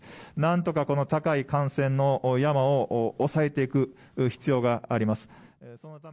なんとかこの高い感染の山を抑えていく必要があります。